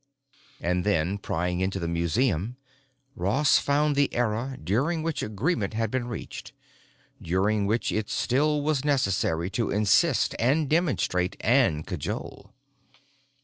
And then, prying into the museum, Ross found the era during which agreement had been reached, during which it still was necessary to insist and demonstrate and cajole.